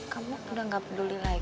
kamu udah gak peduli lagi